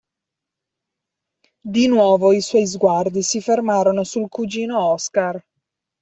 Di nuovo i suoi sguardi si fermarono sul cugino Oscar.